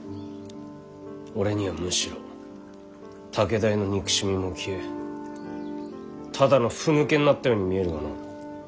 俺にはむしろ武田への憎しみも消えただのふぬけになったように見えるがのう。